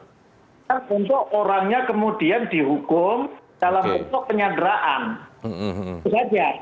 ya itu kan itu untuk orangnya kemudian dihukum dalam bentuk penyanderaan itu saja